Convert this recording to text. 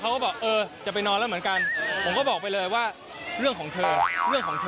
เขาก็บอกเออจะไปนอนแล้วเหมือนกันผมก็บอกไปเลยว่าเรื่องของเธอเรื่องของเธอ